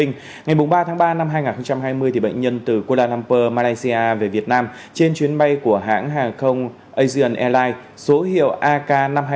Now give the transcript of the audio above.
ngày ba tháng ba năm hai nghìn hai mươi bệnh nhân từ kuala lumpur malaysia về việt nam trên chuyến bay của hãng hàng không asian airlines số hiệu ak năm trăm hai mươi